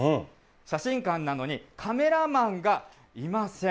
写真館なのに、カメラマンがいません。